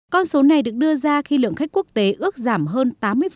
con số này được đưa ra khi lượng khách quốc tế ước giảm hơn tám mươi